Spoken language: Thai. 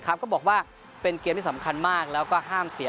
ก็บอกว่าเป็นเกมที่สำคัญมากแล้วก็ห้ามเสีย